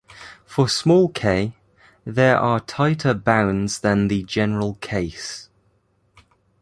For small "k", there are tighter bounds than the general case.